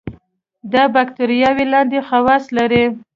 دا باکتریاوې لاندې خواص لري.